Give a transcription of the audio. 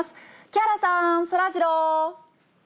木原さん、そらジロー。